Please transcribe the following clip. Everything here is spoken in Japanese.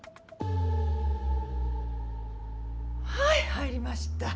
はい入りました